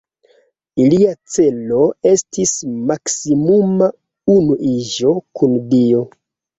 Ilia celo estis maksimuma unuiĝo kun Dio.